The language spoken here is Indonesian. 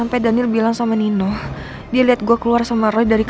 apa ada sesuatu yang gak bisa aku jelasin